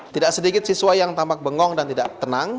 tidak sedikit siswa yang tampak bengong dan tidak tenang